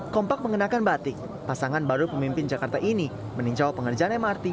kompak mengenakan batik pasangan baru pemimpin jakarta ini meninjau pengerjaan mrt